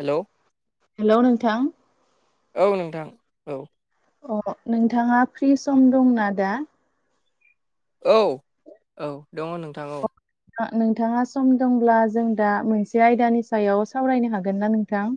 हेल' हेल' नोंथां औ नोंथां औ अ नोंथाङा फ्रि सम दंना दा औ औ दङ नोंथां औ नोंथाङा सम दंब्ला जों दा मोनसे आयदानि सायाव सावरायनो हागोन ना नोंथां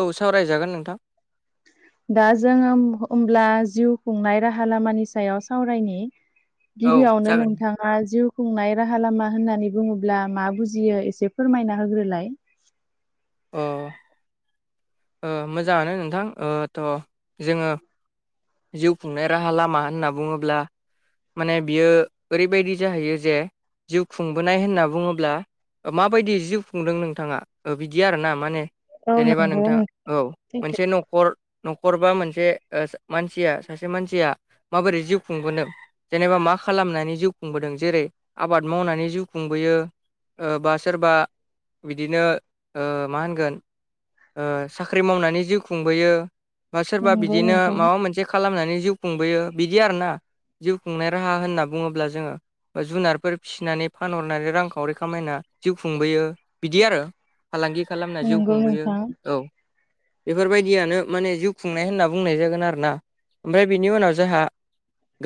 औ सावरायजागोन नोंथां दा जोङो होमब्ला जिउ खुंनाय राहा लामानि सायाव सावरायनि औ गिबियावनो जागोन नोंथां मा जिउ खुंनाय राहा लामा होननानै बुङोब्ला मा बुजियो एसे फोरमायना होग्रोलाय अ ओ मोजाङानो नोंथां ओ थ' जोङो जिउ खुंनाय राहा लामा होनना बुङोब्ला माने बियो ओरैबायदि जाहैयो जे जिउ खुंबोनाय होनना बुङोब्ला माबायदि जिउ खुंदों नोंथाङा बिदि आरोना माने औ जेनेबा नंगौ नोंथां औ सैथो मोनसे नखर न'खरबा मोनसे मानसिया सासे मानसिया माबोरै जिउ खुंबोनो जेनेबा मा खालामनानै जिउ खुंबोदों जेरै आबाद मावनानै जिउ खुंबोयो। बा सोरबा बिदिनो मा होनगोन? ओ साख्रि मावनानै जिउ खुंबोयो बा सोरबा नंगौ बिदिनो नोंथां माबा मोनसे खालामनानै जिउ खुंबोयो बिदि आरो ना जिउ खुंनाय राहा होनना बुङोब्ला जोङो बा जुनारफोर फिसिनानै फानहरनानै रांखावरि खामायना जिउ खुंबोयो बिदि आरो। फालांगि खालामना जिउ नंगौ खुंबोयो नोंथां औ बेफोरबायदियानो माने जिउ खुंनाय होनना बुंनाय जागोन आरोोना ओमफ्राय बिनि उनाव जोंहा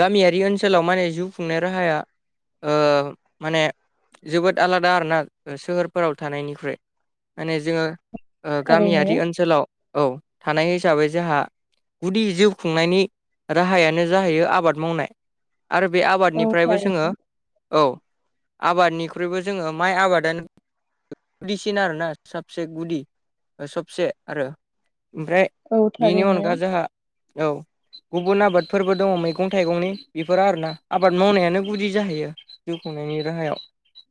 गामियारि ओनसोलाव माने जिउ खुंनाय राहाया माने जोबोद आलादा आरोना सोहोरफोराव थानायनिख्रुइ माने जोङो थारैनो गामियारि ओनसोलाव औ थानाय हिसाबै जोंहा गुदि जिउ खुंनायनि राहायानो जाहै आबाद मावनाय आरो बे औ आबादनिफ्रायबो थारैनो जोङो औ आबादनिख्रुइबो जोङो माइ आबादानो गुदिसिन आरोना सबसे गुदि सबसे आरो ओमफ्राय औ बेनि थारैनो अनगा जोंहा औ गुबुन आबादफोरबो दङ मैगं थाइगंनि बेफोरो आरोना आबाद मावनायानो गुदि जाहैयो। जिउ खुंनायनि राहायाव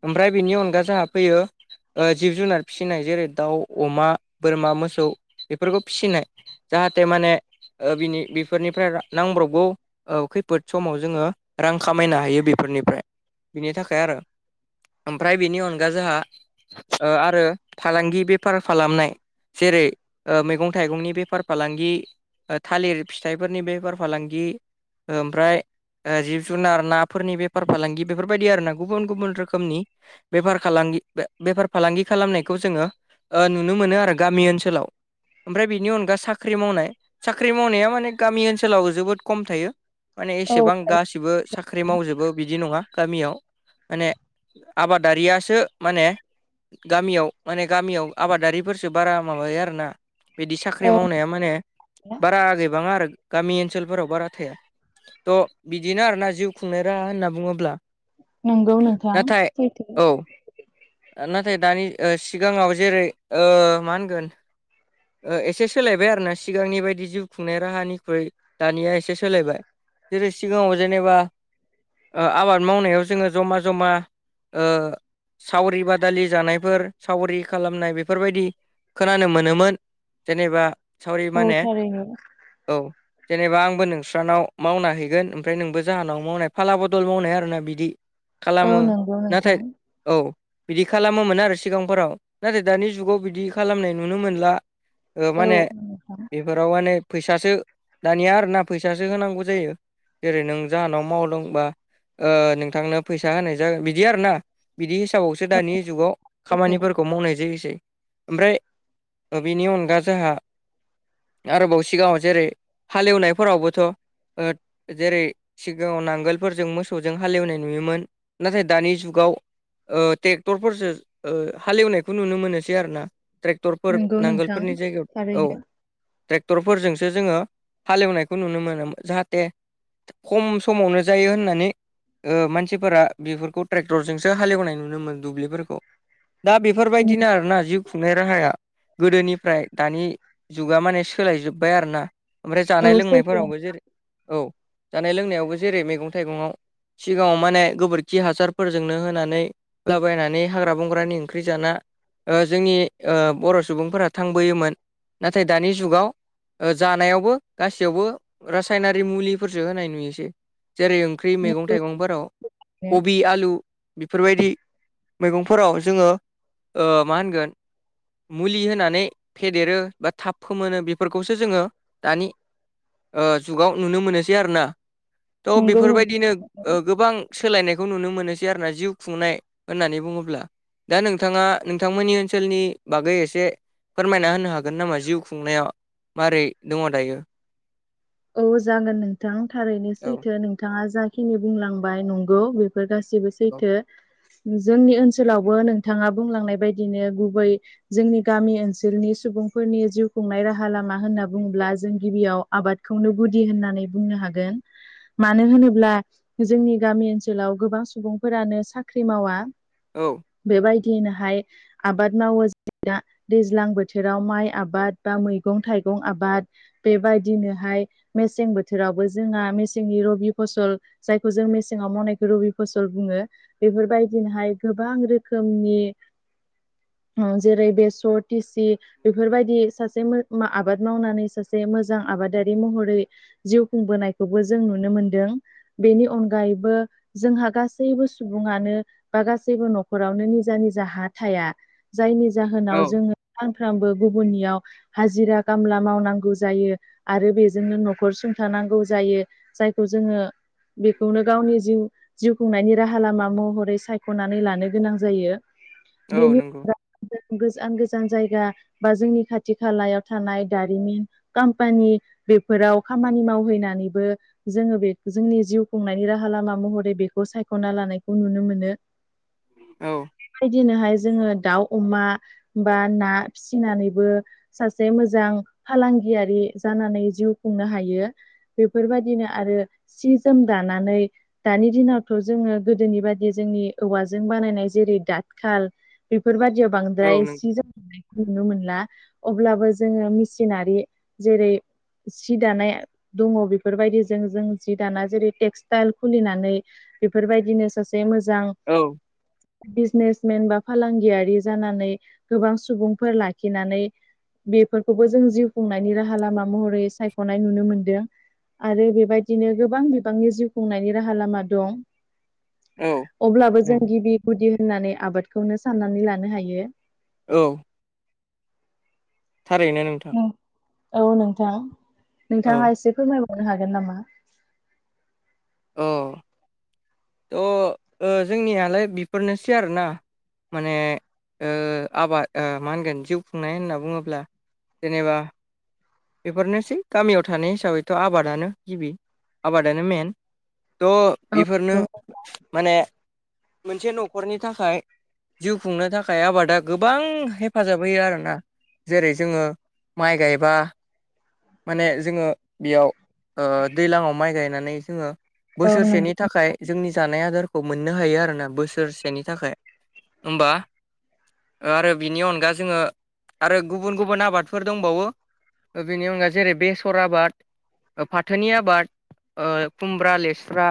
ओमफ्राय बेनि अनगा जोंहा फैयो जिब जुनार फिसिनाय जेरै दाउ अमा बोरमा मोसौ बेफोरखौ फिसिनाय जाहाथे माने बिनि बेफोरनिफ्राय नांब्रबगौ खैफोद समाव जोङो रां खामायनो हायो बेफोरनिफ्राय बिनि थाखाय आरो ओमफ्राय बेनि अनगा जोंहा आरो फालांगि बेफार खालामनाय जेरै मैगं थाइगंनि बेफार फालांगि थालिर फिथाइफोरनि बेफार फालांगि ओमफ्राय जिब जुनार नाफोरनि बेफार फालांगि बेफोरबायदि आर ना गुबुन गुबुन रोखोमनि। बेफार फालांगि बेफार फालांगि खालामनायखौ जोङो नुनो मोनो आरो गामि ओनसोलाव ओमफ्राय बेनि अनगा साख्रि मावनाय साख्रि मावनाया माने गामि ओनसोलाव जोबोद खम थायो माने औ एसेबां थारै गासिबो साख्रि साख्रि मावजोबो बिदि नङा गामियाव माने आबादारियासो माने गामियाव माने गामियाव आबादारिफोरसो बारा माबायो आरोना। बिदि साख्रि औ मावनाया माने बारा आगैबाङा आरो गामि ओनसोलफोराव बारा थाया। थ' बिदिनो आरोना जिउ खुंनाय राहा होनना बुङोब्ला नंगौ नोंथां नाथाय सैथो औ नाथाय दानि सिगाङाव जेरै मा होनगोन? एसे सोलायबाय आरोना सिगांनि बायदि जिउ खुंनाय राहानिख्रुइ दानिया एसे सोलायबाय। जेरै सिगाङाव जेनेबा आबाद मावनायाव जोङो जमा जमा ओ सावरि बादालि जानायफोर सावरि खालामनाय बेफोरबायदि खोनानो मोनोमोन। जेनेबा सावरि औ माने थारैनो औ जेनेबा आंबो नोंस्रानाव मावना हैगोन ओमफ्राय नोंबो जाहोनाव मावनाय फाला बदल मावनाय आरोोना बिदि। औ खालामो नंगौ नाथाय नोंथां औ बिदि खालामोमोन आरो सिगांफोराव नाथाय दानि जुगाव बिदि खालामनाय नुनो मोनला। ओ औ माने नोंथां बेफोराव माने फैसासो दानिया आरोना फैसासो होनांगौ जायो जेरै नों जाहोनाव मावलोंबा नोंथांनो फैसा होनाय जागोन बिदि आरोना बिदि हिसाबावसो दानि जुगाव सैथो खामानिफोरखौ खौ मावनाय जायोसै ओमफ्राय बेनि अनगा जोंहा आरोबाव सिगाङाव जेरै हाले एवनायफोरावबोथ' जेरै सिगाङाव नांगोलफोरजों मोसौजों हाले एवनाय नुयोमोन नाथाय दानि जुगाव ट्रेक्टरफोरसो हालेवनायखौ नुनो मोनोसै आरो ना ट्रेक्टरफोर नंगौ नोंथां नांगोलफोरनि जायगायाव औ थारैनो ट्रेक्टरफोरजोंसो जोङो हालेवनायखौ नुनो मोनो जाहाथे खम समावनो जायो होननानै मानसिफोरा बेफोरखौ ट्रेक्टरजोंसो हालेवनाय नुनो मोनोन दुब्लिफोरखौ दा उम, बेफोरबायदिनो आरोना जिउ खुंनाय राहाया गोदोनिफ्राय दानि जुगा माने सोलाय जोबबाय आरो ना ओमफ्राय औ जानाय सैथो लोंनायफोरावबो जेरै औ जानाय लोंनायावबो जेरै मैगं थाइगयाव सिगाङाव माने गोबोरखि हासारफोरजोंनो होनानै होलाबायनानै हाग्रा बंग्रानि ओंख्रि जाना जोंनि बर' सुबुंफोरा थांबोयोमोन नाथाय दानि जुगाव जानायावबो गासैयावबो रासायनारि मुलिफोरसो होनाय नुयोसै जेरै ओंख्रि मैगं नंगौ थाइगंफोराव थारैनो, कबि आलु बेफोरबायदि मैगंफोराव जोङो मा होनगोन मुलि होनानै फेदेरो बा थाब फोमोनो बेफोरखौसो जोङो दानि जुगाव नुनो मोनोसै आरोना थ' नंगौ नोंथां बेफोरबायदिनो गोबां सोलायनायखौ नुनो मोनोसै आरो ना जिउ खुंनाय होननानै बुङोब्ला दा नोंथाङा नोंथांमोननि ओनसोलनि बागै एसे फोरमायना होनो हा गोन नामा जिउ खुंनायाव माबारै दङ दायो औ जागोन नोंथां थारैनो औ सैथो नोंथाङा जा खिनि बुंलांबाय नंगौ बेफोर गासिबो औ सैथो जोंनि ओनसोलावबो नोंथाङा बुंलांनाय बायदिनो गुबै जोंनि गामि ओनसोलनि सुबुंफोरनि जिउ खुंनाय राहा लामा होनना बुङोब्ला जों गिबियाव आबाद खौनो गुदि होननानै बुंनो हागोन मानो होनोब्ला जोंनि गामि ओनसोलाव गोबां सुबुंफोरानो साख्रि मावा औ बेबायदियैनोहाय आबाद मावो जों दा दैज्लां बोथोराव माइ आबाद बा मैगं थाइगं आबाद बेबायदिनो बेहाय मेसें बोथोरावबो जोंहा मेसेंनि रबि फसल जायखौ जों मेसेङाव मावनायखौ रबि फसल बुङो बेफोरबायदिनोहाय गोबां रोखोमनि जेरै बेसर टिसि बेफोरबायदि सासे आबाद मावनानै सासे मोजां आबादारि महरै जिउ खुंबोनायखौबो जों नुनो मोनदों बेनि अनगायैबो जोंहा गासैबो सुबुङानो बा गासैबो न'खरावनो निजा निजा हा थाया जायनि जाहोनाव औ जोङो सानफ्रामबो गुबुननियाव हाजिरा खामला मावनांगौ जायो आरो बेजोंनो न'खर सुंथानांगौ जायो जायखौ जोङो बेखौनो गावनि जिउ जिउ खुंनायनि राहा लामा महरै सायख'नानै लानो गोनां जायो औ बेनि नंगौ गोजान गोजान जायगा बा जोंनि खाथि खालायाव थानाय दारिमिन कम्पानि बेफोराव खामानि मावहैनानैबो जोङो बे जोंनि जिउ खुंनायनि राहा लामा महरै बेखौ सायख'ना लानायखौ नुनो मोनो [inaudible] औ बेबायदिनोहाय जोङो दाउ अमा बा ना फिसिनानैबो सासे मोजां फालांगियारि जानानै जिउ खुंनो हायो बेफोरबायदिनो आरो सि जोम दानानै दानि दिनावथ' जोङो गोदोनि बादि जोंनि औवाजों बानायनाय जेरै दाथखाल बेफोर बादियाव औ बांद्राय नंगौ सि जोम दानायखौ नुनो मोनला अब्लाबो जोङो मेसिनारि जेरै सि दानाय दङ बेफोरबायदिजों जों जि दाना जेरै टेक्सटाइल खुलिनानै बेफोरबायदिनो सासे मोजां औ बिजनेसमेन बा फालांगियारि जानानै गोबां सुबुंफोर लाखिनानै बेफोरखौबो जों जिउ खुंनायनि राहा लामा महरै सायख'नाय नुनो मोन्दों आरो बेबायदिनो गोबां बिबांनि जिउ खुंनायनि राहा लामा दं औ अब्लाबो जों नंगौ गिबि गुदि होननानै आबादखौनो साननानै लानो हायो औ थारैनो नोंथां औ नोंथां औ नोंथाङा एसे फोरमायबावनो हागोन नामा अ थ' जोंनियालाय बेफोरनोसै आरो ना माने आबाद मा होनगोन जिउ खुंनाय होनना बुङोब्ला जेनेबा बेफोरनोसै गामियाव थानाय हिसाबैथ' आबादानो गिबि आबादानो मेन थ' औ बेफोरनो माने मोनसे न'खरनि थाखाय जिउ खुंनो थाखाय आबादा गोबां हेफाजाब होयो आरोना जेरै जोङो माइ गायबा माने जोङो बेयाव दै्लाङाव माइ गायनानै जोङो बोसोरसेनि थाखाय जोंनि जानाय आदारखौ मोननो हायो आरो ना बोसोरसेनि थाखाय ओमबा आरो बिनि अनगा जोङो आरो गुबुन गुबुन आबादफोर दंबावो बेनि अनगा जेरै बेसर आबाद फाथोनि आबाद खुमब्रा लेस्रा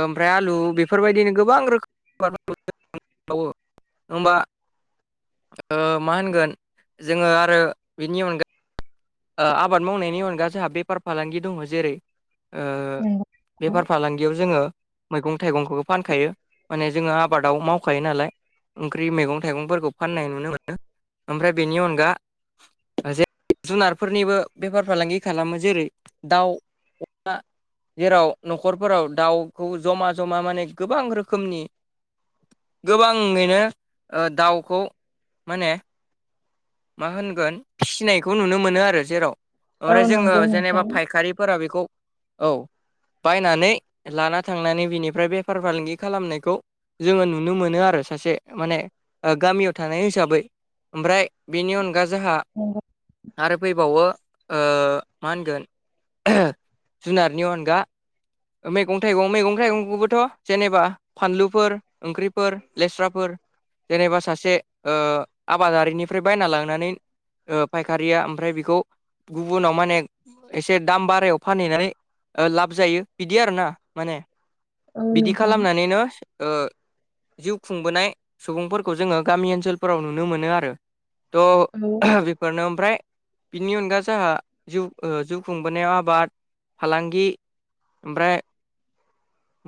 ओमफ्राय आलु बेफोरबायदिनो गोबां रोखोमनि आबादफोरखौ जों मावो होमबा मा होनगोन जोङो आरो बिनि अनगायै आबाद मावनायनि अनगा जोंहा बेफार फालांगि दङ जेरै बेफार नंगौ फालांगियाव जोङो मैगं थाइगंखौबो फानखायो माने जोङो आबादाव मावखायो नालाय ओंख्रि मैगं थाइगंफोरखौ फाननाय नुनो मोनो ओमफ्राय बेनि अनगा जे जुनारफोरनिबो बेफार फालांगि खालामो जेरै दाउ अमा जेराव न'खरफोराव दाउखौ जमा जमा माने गोबां रोखोमनि गोबाङैनो दाउखौ माने मा होनगोन फिसिनाय खौ नुनो मोनो आरो जेराव औ ओमफ्राय जोङो नंगौ नंगौ औ नंगौ नोंथां जेनेबा फायखारिफोरा बेखौ औ बायनानै लाना थांनानै बिनिफ्राय बेफार फालांगि खालामनायखौ जोङो नुनो मोनो आरो सासे माने गामियाव थानाय हिसाबै ओमफ्राय बेनि अनगा जोंहा नोंगो आरो फैबावो मा होनगोन जुनारनि अनगा मैगं थाइगं मैगं थाइगंखौबोथ' जेनेबा फानलुफोर ओंख्रिफोर लेस्राफोर जेनेबा सासे आबादारिनिफ्राय बायना लांनानै फायख खारिया ओमफ्राय बेखौ गुबुनाव माने एसे दाम बारायाव फानहैनानै लाब जायो बिदि आरोना माने औ बिदि नोंथां खालामनानैनो जिउ खुंबोनाय सुबुंफोरखौ जोङो गामि ओनसोलफोराव नुनो मोनो आरो थह हेल' बेफोरनो ओमफ्राय बिनि अनगा जोंहा जिउ जिउ खुंबोनायाव आबाद फालांगि ओमफ्राय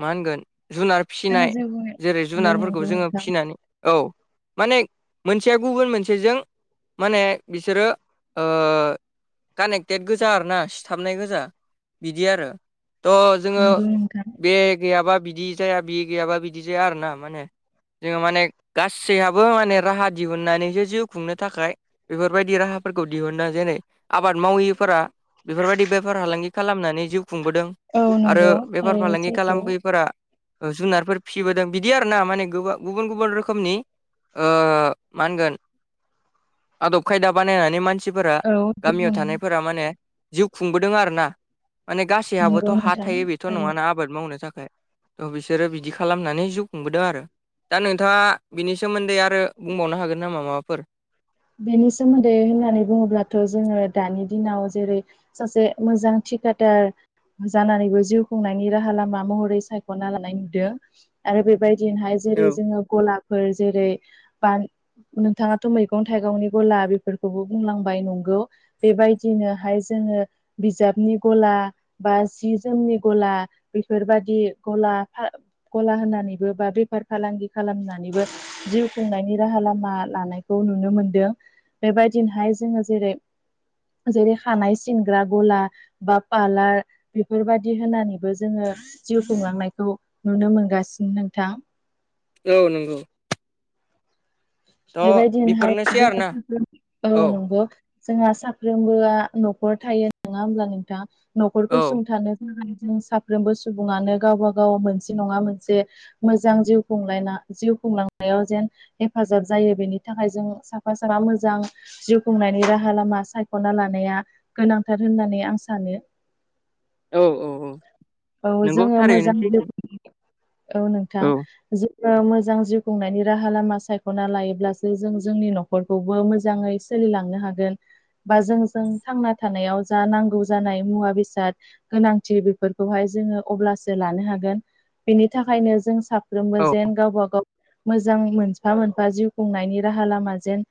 मा होनगोन जुनार फिनाय जिउ खुंनाय जेरै औ नंगौ जुनारफोरखौ जोङो नोंथां फिसिनानै औ माने मोनसेया गुबुन मोनसेजों माने बिसोरो कानेकटेड गोजा आरोना सिथाबनाय गोजा बिदि आरो थह जोङो नंगौ नोंथां बे गैयाबा बिदि जाया बि गैयाबा बिदि जाया आरोना माने जोङो माने गासैयाबो माने राहा दिहुननानैसो जिउ खुंनो थाखाय बेफोरबायदि राहा फोरखौ दिहुनना जेरै आबाद माविफोरा बेफोरबायदि बेफार फालांगि खालामनानै जिउ खुंबोदों औ आरो नंगौ बेफार थारैनो फालांगि सैथो खालाम बैफोरा जुनारफोर फिसिबोदों बिदि आरोना माने गुबुन गुबुन रोखोमनि मा होनगोन आदब खायदा बानायनानै मानसिफोरा औ दे गामियाव बुंनाय थानायफोरा माने जिउ खुंबोदों आरो ना माने गासैहाबोथ' नंगौ हा नोंथां थायो बेथ' थारैनो नङाना आबाद मावनो थाखाय थ' बिसोरो बिदि खालामनानै जिउ खुंबोदों आरो दा नोंथाङा बिनि सोमोन्दै आरो बुंबावनो हागोन नामा माबाफोर बेनि सोमोन्दै होननानै बुङोब्लाथ' जोङो दानि दिनाव जेरै सासे मोजां थिकादार जानानैबो जिउ खुंनायनि राहा लामा महरै सायख'ना लानाय नुदों आरो बेबायदिनोहाय जेरै औ जोङो गलाफोर जेरै ब नोंथाङाथ' मैगं मैगं थाइगंनि गला बेफोरखौबो बुंलांबाय नंगौ बेबायदिनोहाय जोङो बिजाबनि गला बा जि जोमनि गला बेफोरबादि गला गला होनानैबो बा बेफार फालांगि खालामनानैबो जिउ खुंनायनि राहा लामा लानाय खौ नुनो मोनदों बेबायदिनोहाय जोङो जेरै जेरै खानाय सिनग्रा गला बा पारालार बेफोरबायदि होनानैबो जोङो जिउ खुंलांनायखौ नुनो मोनगासिनो नोंथां औ नंगौ थ' बेबायदिनोहाय बेफोरनोसै जों आरोना औ नंगौ जोंहा साफ्रोमबोआ न'खर थायो नङा होमब्ला नोंथाङा न'खरखौ औ सुंथानो जों साफ्रोमबो सुबुङानो गावब गाव मोनसे नङा मोनसे मोजां जिउ खुंलायना जिउ खुंलांनायाव जेन हेफाजाब जायो बेनि थाखाय जों साफा साफा मोजां जिउ खुंनायनि राहा लामा सायख'ना लानाया गोनांथार होननानै आं सानो औ औ औ नोंगौ जोङो थारैनो मोजां सैथो औ नोंथां जोङो मोजां जिउ खुंनायनि राहा लामा सा सायख'ना लायोब्लासो जों जोंनि न'खरखौबो मोजाङै सोलिलांनो हागोन बा जोंजों थांना थानायाव जा नांगौ जानाय मुवा बेसाद गोनांथि बेफोरखौहाय जोङो अब्लासो लानो हागोन बेनि थाखायनो जों साब साफ्रोमबो औ। जेन गावबा गाव मोजां मोनफा मोनफा जिउ खुंनायनि राहा लामा जेन